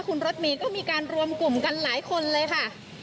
คุณรถเมย์ก็มีการรวมกลุ่มกันหลายคนเลยค่ะ